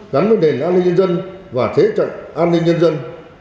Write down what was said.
gắn với nền an ninh nhân dân và thế trận an ninh nhân dân